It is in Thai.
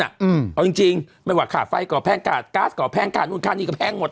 เอาจริงจริงไม่ว่าค่าไฟก่อแพงขาดก๊าซก่อแพงค่านู่นค่านี่ก็แพงหมด